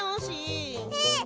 えっ！？